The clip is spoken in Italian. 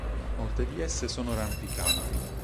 Molte di esse sono rampicanti.